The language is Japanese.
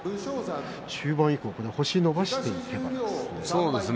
中盤以降星を伸ばしていけばですね。